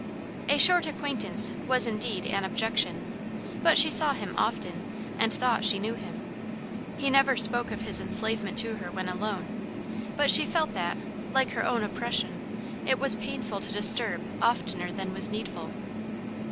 A short acquaintance was indeed an objection, but she saw him often, and thought she knew him. He never spoke of his enslavement to her when alone, but she felt that, like her own oppression, it was painful to disturb oftener than was needful.